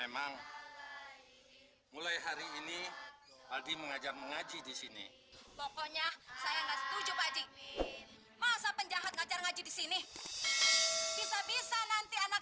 sampai jumpa di video selanjutnya